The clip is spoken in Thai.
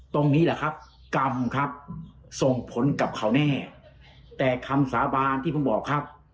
ตรงนี้แหละครับกรรมครับส่งผลกับเขาแน่แต่คำสาบานที่ผมบอกครับ